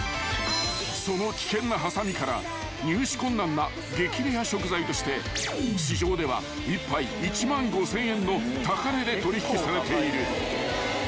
［その危険なはさみから入手困難な激レア食材として市場では一杯１万５，０００円の高値で取引されている］